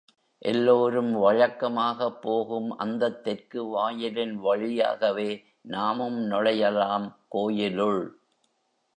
எல்லோரும் வழக்கமாகப் போகும் அந்தத் தெற்கு வாயிலின் வழியாகவே நாமும் நுழையலாம் கோயிலுள்.